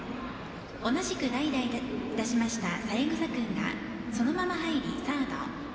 同じく代打いたしました三枝君がそのまま入りサード。